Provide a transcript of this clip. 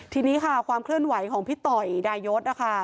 ทีนี้ค่ะความเคลื่อนไหวของพี่ต่อยดายศนะคะ